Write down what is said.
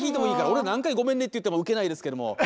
俺何回「ごめんね」って言っても受けないですけども。